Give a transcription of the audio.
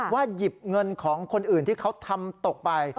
หยิบเงินของคนอื่นที่เขาทำตกไป